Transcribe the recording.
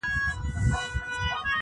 چي پر ځان دي وي پېرزو هغه پر بل سه »--!